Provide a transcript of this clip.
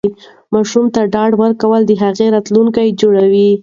ماشوم ته ډاډ ورکول د هغه راتلونکی جوړوي.